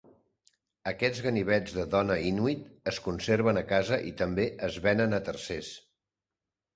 Aquests ganivets de dona inuit es conserven a casa i també es venen a tercers.